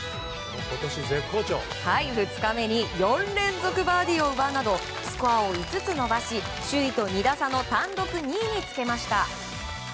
２日目に４連続バーディーを奪うなどスコアを５つ伸ばし首位と２打差の単独２位につけました。